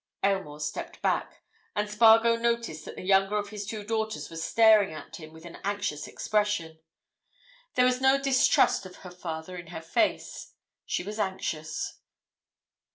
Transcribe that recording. Aylmore stepped back. And Spargo noticed that the younger of his two daughters was staring at him with an anxious expression. There was no distrust of her father in her face; she was anxious.